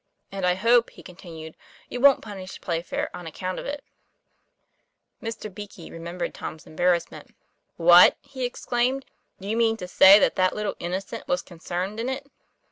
;* And I hope," he continued, 'you wont punish Playfair on account of it." Mr. Beakey remembered Tom's embarrassment. "What!" he exclaimed. "Do you mean to say that that little innocent was concerned in it?"